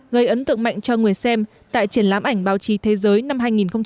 gây ấn tượng mạnh cho người xem tại triển lãm ảnh báo chí thế giới năm hai nghìn một mươi chín